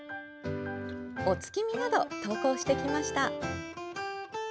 お月見など、投稿してきました。